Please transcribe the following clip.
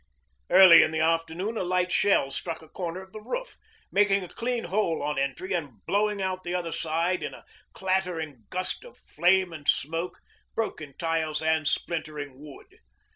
Early in the afternoon a light shell struck a corner of the roof, making a clean hole on entry and blowing out the other side in a clattering gust of flame and smoke, broken tiles and splintering wood.